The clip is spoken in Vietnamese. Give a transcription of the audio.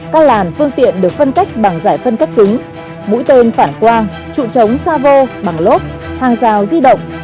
các làn phương tiện được phân cách bằng giải phân cách cứng mũi tên phản quang trụ trống xa vô bằng lốt hàng rào di động